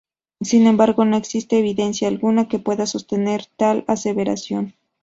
Sin embargo no existe evidencia alguna que pueda sostener tal aseveración.